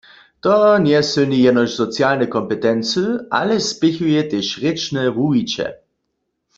To njesylni jenož socialne kompetency, ale spěchuje tež rěčne wuwiće.